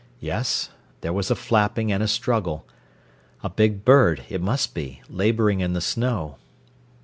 Yes, there was a flapping and a struggle a big bird, it must be, labouring in the snow.